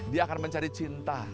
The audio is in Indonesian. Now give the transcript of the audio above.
dia akan mencari cinta